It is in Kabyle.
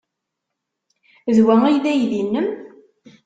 D wa ay d aydi-nnem?